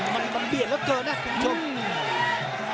มันเบียดเหลือเกินนะคุณผู้ชม